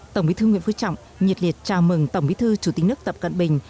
tổng bí thư nguyễn phú trọng nhiệt liệt chào mừng tổng bí thư chủ tịch nước tập cận bình